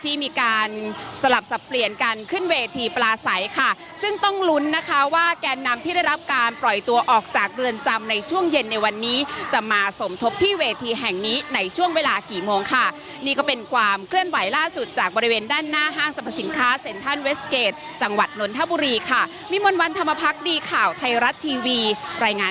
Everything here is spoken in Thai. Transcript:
อีกคนหนึ่งเซียโป้บอกผมน่ะเหรอเป็นผู้มีอิทธิพลของเขาจะทำธุรกิจอะไรเกี่ยวกับรอยฟ้ารอยฟ้า